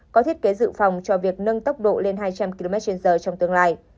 có thiết kế dự phòng cho việc nâng tốc độ lên hai trăm linh kmh trong tương lai